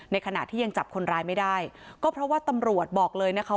ขณะที่ยังจับคนร้ายไม่ได้ก็เพราะว่าตำรวจบอกเลยนะคะ